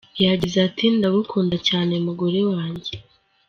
Yagize ati “Ndagukunda cyane mugore wanjye.